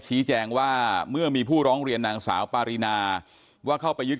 ชี้แจงว่าเมื่อมีผู้ร้องเรียนนางสาวปารีนาว่าเข้าไปยึด